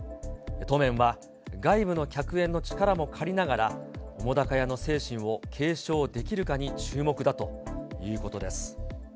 当面は、外部の客演の力も借りながら、澤瀉屋の精神を継承できるかに注目だということです。